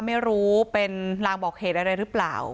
ไม่รู้เป็นลางบอกเหตุอะไรหรือเปล่า